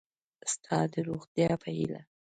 ستا د روغتیا په هیله